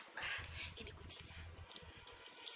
kamu tunggu gini gini ya